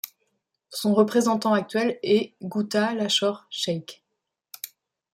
Son représentant actuel est Guta Lachore Chake.